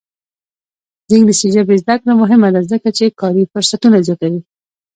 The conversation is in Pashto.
د انګلیسي ژبې زده کړه مهمه ده ځکه چې کاري فرصتونه زیاتوي.